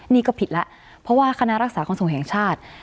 นี่ก็ผิดแล้วเพราะว่าคณะรักษาความสูงแห่งชาติ